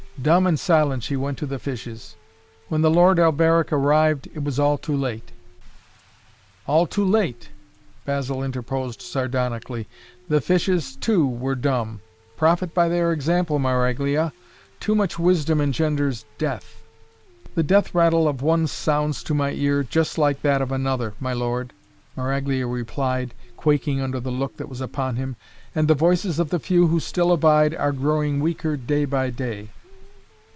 Dumb and silent she went to the fishes. When the Lord Alberic arrived, it was all too late " "All too late!" Basil interposed sardonically. "The fishes too were dumb. Profit by their example, Maraglia. Too much wisdom engenders death." "The death rattle of one sounds to my ears just like that of another, my lord," Maraglia replied, quaking under the look that was upon him. "And the voices of the few who still abide are growing weaker day by day."